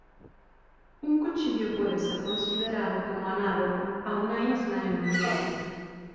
Un cuchillo puede ser considerado como análogo a una isla en un río.